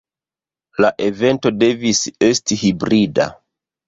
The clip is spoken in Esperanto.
La evento devis esti hibrida.